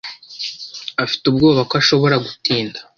Afite ubwoba ko ashobora gutinda.